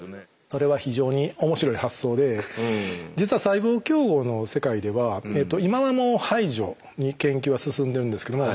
それは非常に面白い発想で実は細胞競合の世界では今はもう排除に研究は進んでるんですけども。